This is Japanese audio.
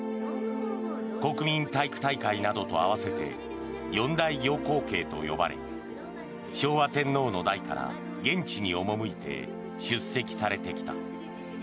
国民体育大会などと合わせて四大行幸啓と呼ばれ昭和天皇の代から現地に赴いて出席されてきた。